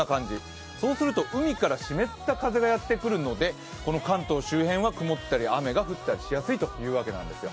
そうすると海から湿った風がやってくるのでこの関東周辺は曇ったり、雨が降ったりしやすいというわけなんですよ。